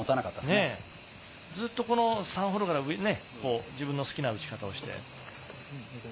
ずっと３ホールから自分の好きな打ち方をして。